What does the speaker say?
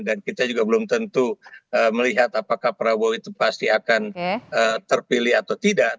dan kita juga belum tentu melihat apakah prabowo itu pasti akan terpilih atau tidak